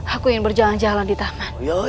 aku ingin berjalan jalan di tangan